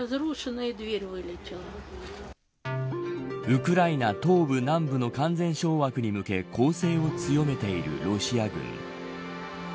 ウクライナ東部、南部の完全掌握に向け攻勢を強めているロシア軍。